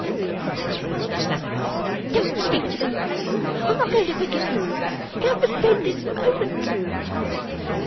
cried Miss Wren, snapping him up. 'Don't speak to me. I'm not going to forgive you. Go to bed this moment!